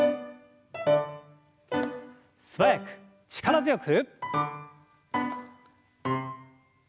素早く力強く。